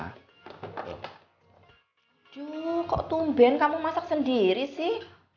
aduh kok tumben kamu masak sendiri sih